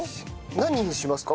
何にしますか？